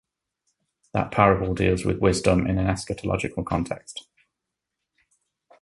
That parable deals with wisdom in an eschatological context.